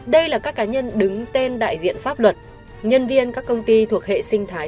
đây là các cá nhân đứng tên đại diện pháp luật nhân viên các công ty thuộc hệ sinh thái